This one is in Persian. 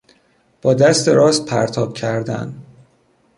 با دست راست پرتاب کردن